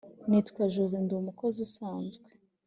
nitwa josseé ndi umukozi usanzwe